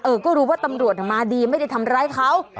ก็รู้ว่าตำรวจมาดีไม่ได้ทำร้ายเขา